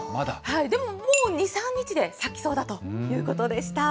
でも、もう２、３日で咲きそうだということでした。